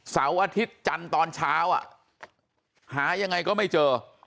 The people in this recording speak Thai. เสาร์อาทิตย์จันทร์ตอนเช้าหายังไงก็ไม่เจอ